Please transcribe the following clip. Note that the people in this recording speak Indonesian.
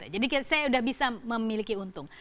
jadi saya sudah bisa memiliki untung